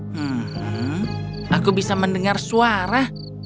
hah aku bisa mendengar suara